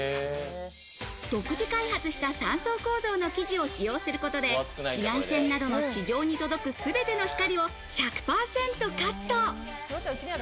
独自開発した３層構造の生地を使用することで、紫外線などの地上に届く全ての光を１００％カット。